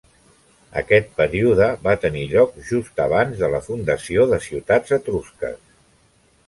Aquest període va tenir lloc just abans de la fundació de ciutats etrusques.